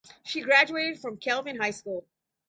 She graduated from Kelvin High School.